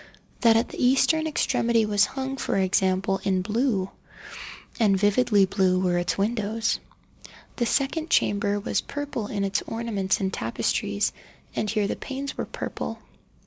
That at the eastern extremity was hung, for example in blue—and vividly blue were its windows. The second chamber was purple in its ornaments and tapestries, and here the panes were purple.